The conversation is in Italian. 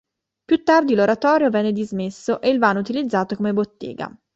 Più tardi l'oratorio venne dismesso e il vano utilizzato come bottega.